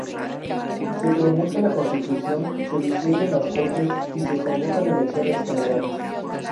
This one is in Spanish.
Se promulga la Constitución, se disuelven las Cortes y se convocan elecciones generales.